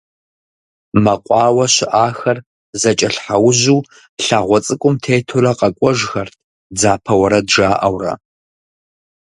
Мэкъуауэ щыӏахэр зэкӏэлъхьэужьу лъагъуэ цӏыкӏум тетурэ къэкӏуэжхэрт дзапэ уэрэд жаӏэурэ.